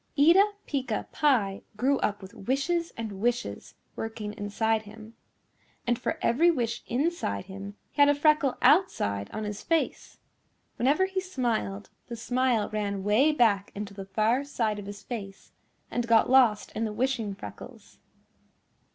Eeta Peeca Pie grew up with wishes and wishes working inside him. And for every wish inside him he had a freckle outside on his face. Whenever he smiled the smile ran way back into the far side of his face and got lost in the wishing freckles.